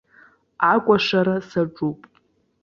Акәашара саҿуп.